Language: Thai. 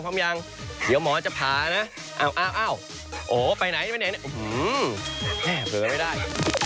พร้อมยังเดี๋ยวหมอจะผ่านะอ้าวโอ๋ไปไหนไปไหนแม่เผลอไม่ได้